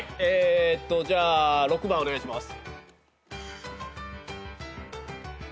じゃあ６番お願いします。